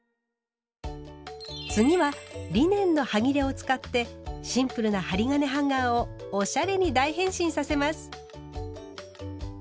次はリネンのはぎれを使ってシンプルな針金ハンガーをおしゃれに大変身させます。